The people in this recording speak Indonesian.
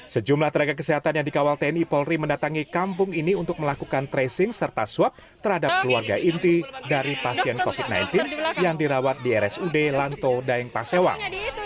sejumlah tenaga kesehatan yang dikawal tni polri mendatangi kampung ini untuk melakukan tracing serta swab terhadap keluarga inti dari pasien covid sembilan belas yang dirawat di rsud lanto daeng pasewang